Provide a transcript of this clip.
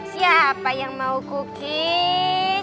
siapa yang mau cookies